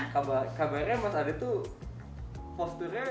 kamarnya mas adit tuh posternya